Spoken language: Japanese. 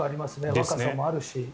若さもあるし。